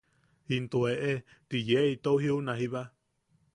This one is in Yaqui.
Into eʼe ti yee itou jiuna jiba.